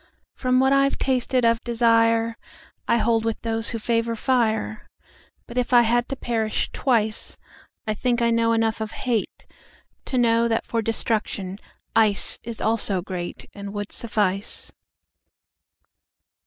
From what I've tasted of desireI hold with those who favor fire. But if it had to perish twice,I think I know enough of hateTo know that for destruction iceIs also greatAnd would suffice.